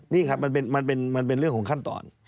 นี่ครับมันเป็นเรื่องของขั้นตอน